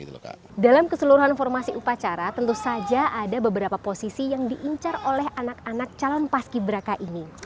dalam keseluruhan formasi upacara tentu saja ada beberapa posisi yang diincar oleh anak anak calon paski beraka ini